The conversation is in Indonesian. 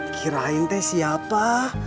kirain teh siapa